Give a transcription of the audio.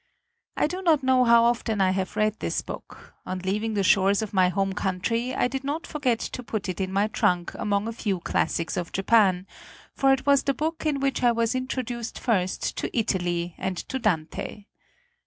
I do not know how often I have read this book ; on leaving the shores of my home xiii INTRODUCTION country I did not forget to put it in my trunk among a few classics of Japan, for it was the book in which I was in troduced first to Italy and to Dante.